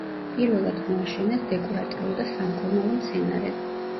პირველად მოაშენეს დეკორატიულ და სამკურნალო მცენარედ.